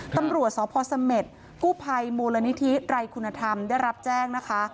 ตำรวจสพสเม็ดกู้ภัยมูลนิธิไตรคุณธรรมได้รับแจ้งนะคะ